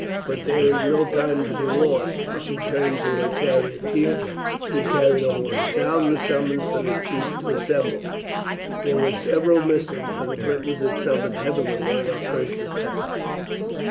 But there is no time to be lost;" and she turned to her charioteer, who carried a horn. "Sound the summons for the chiefs to assemble." There were several missing, for the Britons had suffered heavily in their first attack.